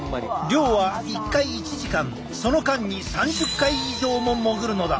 漁は一回１時間その間に３０回以上も潜るのだ。